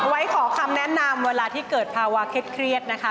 ไว้ขอคำแนะนำเวลาที่เกิดภาวะเครียดนะคะ